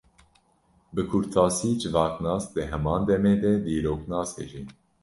Bi kurtasî, civaknas di heman demê de dîroknas e jî.